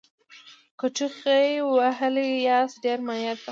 که ټوخي وهلي یاست ډېر مایعت واخلئ